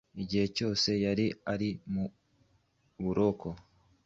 igihe cyose yari ari mu buroko